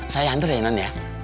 saya antar ya non